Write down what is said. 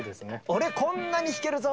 「俺こんなに弾けるぞ！」